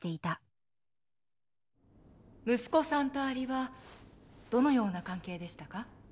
息子さんとアリはどのような関係でしたか？